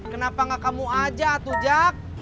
kenapa gak kamu aja atau jak